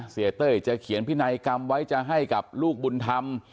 เต้ยจะเขียนพินัยกรรมไว้จะให้กับลูกบุญธรรม